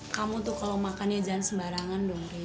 kamu tuh kalau makannya jangan sembarangan dong